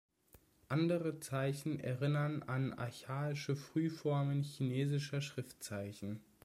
Andere Zeichen erinnern an archaische Frühformen chinesischer Schriftzeichen.